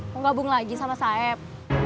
mau gabung lagi sama saib